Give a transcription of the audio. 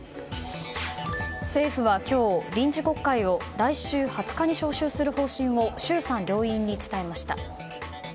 政府は今日、臨時国会を来週２０日に召集する方針を衆参両院に伝えました。